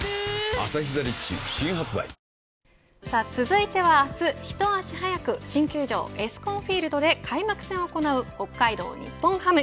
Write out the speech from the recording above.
「アサヒザ・リッチ」新発売さあ続いては明日ひと足早く新球場エスコンフィールドで開幕戦を行う北海道日本ハム。